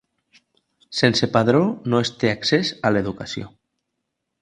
Sense padró no es té accés a l’educació.